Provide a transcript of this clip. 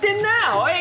おい